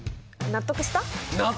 納得した！